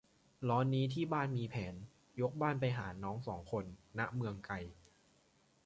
ร้อนนี้ที่บ้านมีแผน ยกบ้านไปหาน้องสองคน ณ เมืองไกล